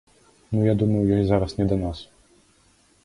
Ну, я думаю, ёй зараз не да нас.